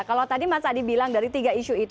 kalau tadi mas adi bilang dari tiga isu itu